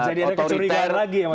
jadi ada kecurigaan lagi